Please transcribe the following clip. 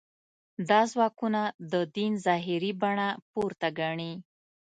دا ځواکونه د دین ظاهري بڼه پورته ګڼي.